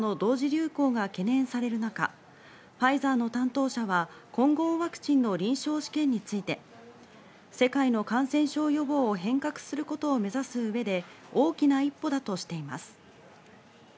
流行が懸念される中、ファイザーの担当者は混合ワクチンの臨床試験について、世界の感染症予防を変革することを目指す上で大きな一歩だとしています。